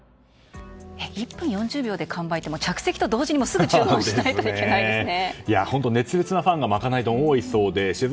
１分４０秒で完売って着席と同時にすぐ注文しないといけないですね。